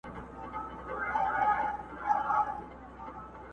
چي هر څه یې په دانو خواري ایستله،